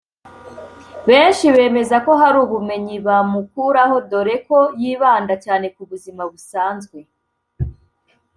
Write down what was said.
benshi bemeza ko hari ubumenyi bamukuraho dore ko yibanda cyane ku buzima busanzwe